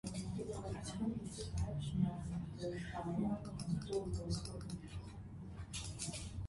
Արտաւանի եւ այլերու հորդորանքով, հռոմէացիները որոշեցին ճակատամարտ տալ ապստամբին։